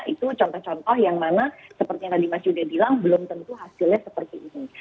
itu contoh contoh yang mana seperti yang tadi mas yuda bilang belum tentu hasilnya seperti ini